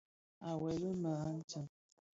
À weli më a ntseng.